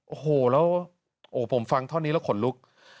โอ้โหแล้วโอ้ผมฟังเท่านี้แล้วขนลุก